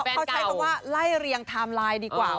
เขาใช้คำว่าไล่เรียงไทม์ไลน์ดีกว่า